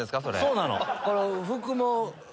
そうなの。